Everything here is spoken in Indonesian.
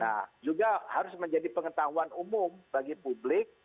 nah juga harus menjadi pengetahuan umum bagi publik